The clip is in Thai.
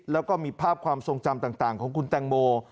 แล้วก็มีภาพความทรงจำต่างของคุณแตงโม